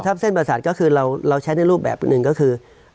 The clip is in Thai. ถ้าเส้นประสาทก็คือเราใช้ในรูปแบบหนึ่งก็คือ